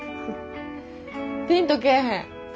ピンとけぇへん。